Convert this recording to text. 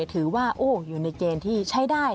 ถือว่าอยู่ในเกณฑ์ที่ใช้ได้